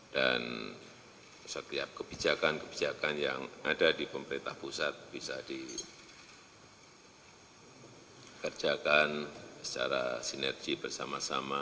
dan setiap kebijakan kebijakan yang ada di pemerintah pusat bisa dikerjakan secara sinergi bersama sama